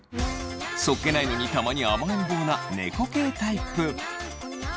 そっけないのにたまに甘えん坊な猫系タイプ。